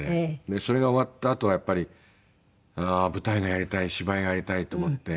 それが終わったあとはやっぱりああ舞台がやりたい芝居がやりたいと思って